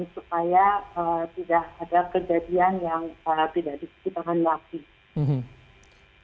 supaya tidak ada kejadian yang tidak ditemukan lagi